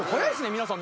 皆さん。